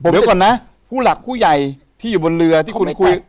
เดี๋ยวก่อนนะผู้หลักผู้ใหญ่ที่อยู่บนเรือที่คุณคุย